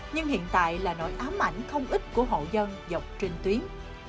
nhưng hiện tại là nỗi ám ảnh không ít của hộ dân dọc trên tuyến